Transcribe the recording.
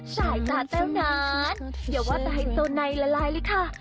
สายตาเจ้านั้นเดี๋ยวว่าจะให้โซไนละลายเลยค่ะ